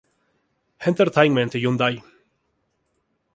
Entertainment y Hyundai.